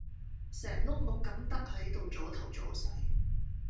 成碌木咁得喺度阻頭阻勢!